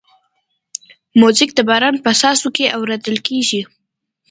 موزیک د باران په څاڅو کې اورېدل کېږي.